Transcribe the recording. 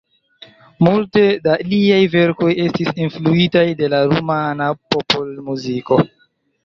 Multe da liaj verkoj estis influitaj de la rumana popolmuziko.